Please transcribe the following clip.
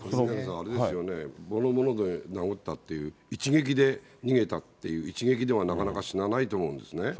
あれですよね、棒のようなもので殴ったって、一撃で逃げたっていう、一撃ではなかなか死なないと思うんですね。